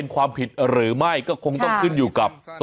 ใครครับ